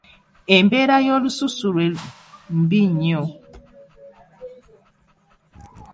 Embeera y'olususu lwe mbi nnyo.